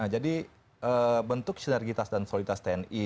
jadi bentuk sinergitas dan soliditas tni